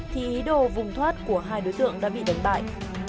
thì ý đồ vùng thoát của hai đối tượng đã bị đánh bại